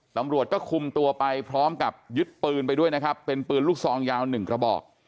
ตำรวจก็คุมตัวไปพร้อมกับยึดปืนไปด้วยนะครับเป็นปืนลูกซองยาวหนึ่งกระบอก